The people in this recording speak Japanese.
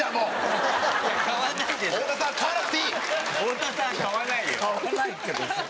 太田さんは買わないよ。